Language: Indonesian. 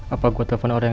apa gua telepon orang yang